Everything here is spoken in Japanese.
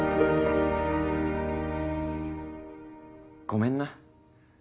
ごめんな。